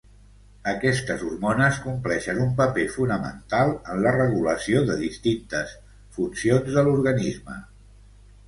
Aquestes hormones compleixen un paper fonamental en la regulació de distintes funcions de l'organisme.